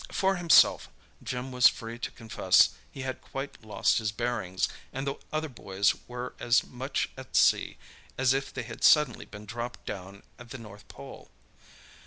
For himself, Jim was free to confess he had quite lost his bearings, and the other boys were as much at sea as if they had suddenly been dropped down at the North Pole.